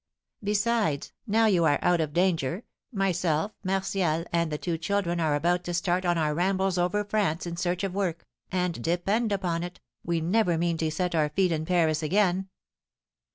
Besides, now you are out of danger, myself, Martial, and the two children are about to start on our rambles over France in search of work, and, depend upon it, we never mean to set our feet in Paris again.